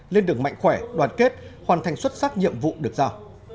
lên đường mạnh khỏe đoàn kết hoàn thành xuất sắc nhiệm vụ được giao